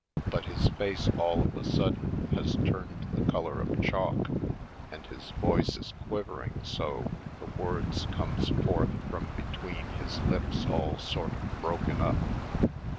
But his face all of a sudden has turned just the color of chalk and his voice is quivering so the words comes forth from between his lips all sort of broken up.